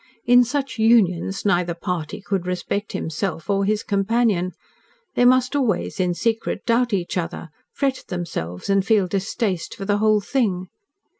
In such unions neither party could respect himself or his companion. They must always in secret doubt each other, fret at themselves, feel distaste for the whole thing.